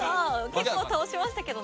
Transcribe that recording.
結構倒しましたけど。